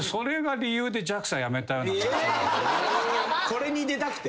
これに出たくて？